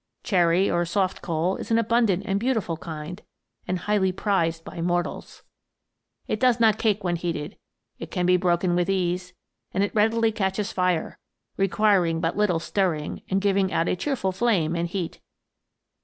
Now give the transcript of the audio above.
Cherry or soft coal, is an abundant and beautiful kind, and highly prized by mortals. It does not cake when heated, it can be broken with ease, and it readily catches fire, requiring but little stirring, and giving out a cheerful flame and heat.